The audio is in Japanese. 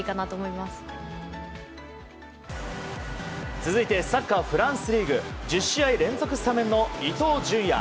続いてサッカーフランスリーグ。１０試合連続スタメンの伊東純也。